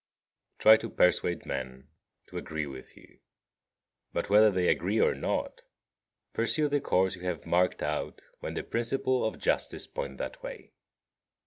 50. Try to persuade men to agree with you; but whether they agree or not, pursue the course you have marked out when the principles of justice point that way.